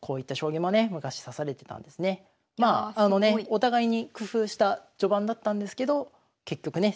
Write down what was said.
お互いに工夫した序盤だったんですけど結局ね